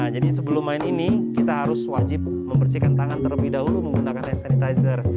jadi sebelum main ini kita harus wajib membersihkan tangan terlebih dahulu menggunakan hand sanitizer